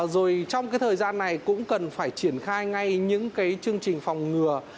rồi trong cái thời gian này cũng cần phải triển khai ngay những cái chương trình phòng ngừa